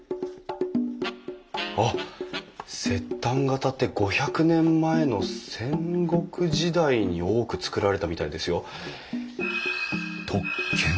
あっ摂丹型って５００年前の戦国時代に多く造られたみたいですよ。